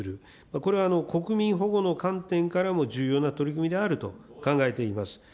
これは国民保護の観点からも重要な取り組みであると考えています。